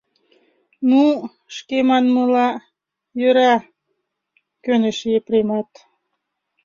— Ну, шке манмыла, йӧра, — кӧныш Епремат.